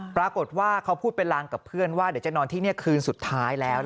ปรากฏว่าเขาพูดเป็นลางกับเพื่อนว่าเดี๋ยวจะนอนที่นี่คืนสุดท้ายแล้ว